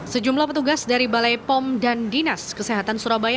sejumlah petugas dari balai pom dan dinas kesehatan surabaya